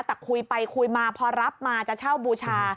แต่คุยไปคุยมาพอรับมาจะเช่าบูชา